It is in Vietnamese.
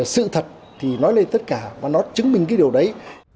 sự thật thì nói lên tất cả và nó chứng minh cái điều đấy